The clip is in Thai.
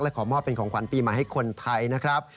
ขอมอบเป็นของขวัญปีใหม่ให้คนไทยนะครับ